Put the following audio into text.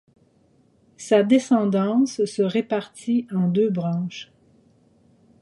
Sa descendance se répartit en deux branches.